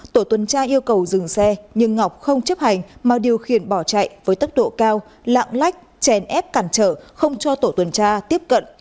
tổ tuần tra yêu cầu dừng xe nhưng ngọc không chấp hành mà điều khiển bỏ chạy với tốc độ cao lạng lách chèn ép cản trở không cho tổ tuần tra tiếp cận